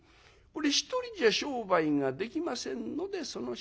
これ１人じゃ商売ができませんのでその日は休み。